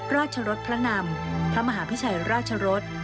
รสพระนำพระมหาพิชัยราชรส